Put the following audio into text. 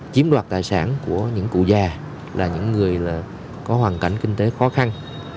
chiếm đoạt tài sản của những cụ già là những người có hoàn cảnh kinh tế khó khăn